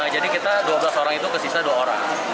kita dua belas orang itu kesisa dua orang